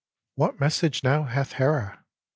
" What message now hath Hera ?